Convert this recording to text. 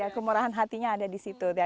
kemurahan hatinya ada di situ